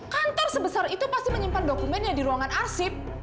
kantor sebesar itu pasti menyimpan dokumennya di ruangan arsip